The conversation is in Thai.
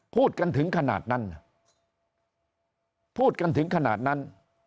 พูดกันถึงขนาดนั้นพูดกันถึงขนาดนั้น